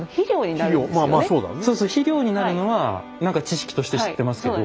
そうそう肥料になるのは何か知識として知ってますけど。